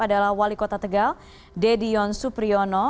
adalah wali kota tegal deddy yonsupriono